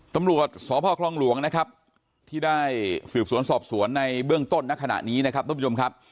ตำรวจสพคลองหลวงนะครับที่ได้สืบสวนสอบสวนในเบื้องต้นณขณะนี้นะครับท่านผู้ชมครับ